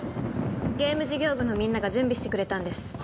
ゲーム事業部のみんなが準備してくれたんです